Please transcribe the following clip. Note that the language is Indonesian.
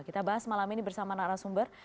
kita bahas malam ini bersama narasumber